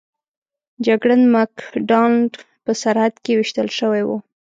جګړن مک ډانلډ په سرحد کې ویشتل شوی و.